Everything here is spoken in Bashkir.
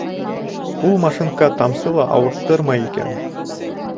Ул машинка тамсы ла ауырттырмай икән.